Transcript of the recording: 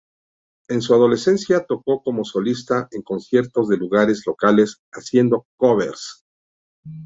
En su adolescencia, tocó como solista en conciertos de lugares locales haciendo covers.